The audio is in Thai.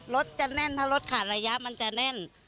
รถจะแน่นถ้ารถขาดระยะมันจะแน่น